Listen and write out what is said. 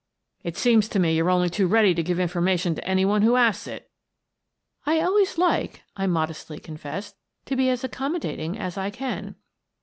" It seems to me you're only too ready to give information to any one who asks it." " I always like," I modestly confessed, " to be as accommodating as I can."